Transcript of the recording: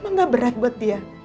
emang gak berat buat dia